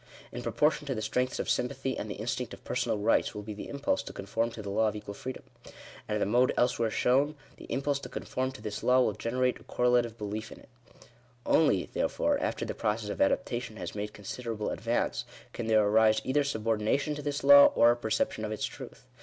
In proportion to the strengths of sympathy, and the instinct of personal rights, will be the impulse to con form to the law of equal freedom. And in the mode elsewhere Digitized by VjOOQIC FIRST PRINCIPLE.. 105 shown (p. 26), the impulse to conform to this law will generate a correlative belief in it. Only, therefore, after the process of adaptation has made considerable advance, <fen there arise either subordination to this law, or a perception of its truth.